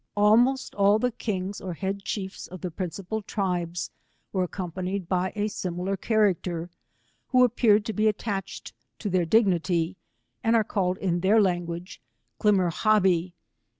Almost all the kings or head chiefs of the principal tribes were accompanied by a similar character, who appeared to be attached to their dignity, and are called in their language, Climmer habbee.